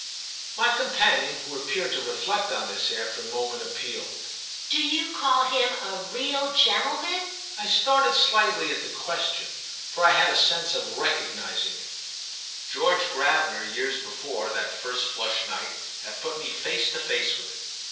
My companion, who appeared to reflect on this, after a moment appealed. "Do you call him a real gentleman?" I started slightly at the question, for I had a sense of recognising it: George Gravener, years before, that first flushed night, had put me face to face with it.